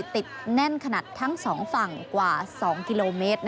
ติดแน่นขนาดทั้งสองฝั่งกว่า๒กิโลเมตร